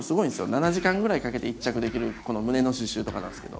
７時間ぐらいかけて一着できるこの胸の刺しゅうとかなんですけど。